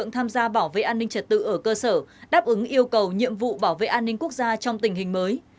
tham gia bảo vệ an ninh trật tự ở cơ sở đáp ứng yêu cầu nhiệm vụ bảo vệ an ninh quốc gia trong tình hình mới